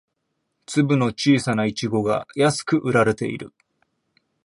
粒の小さなイチゴが安く売られている